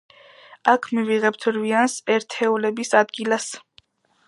აქ მივიღებთ რვიანს ერთეულების ადგილას.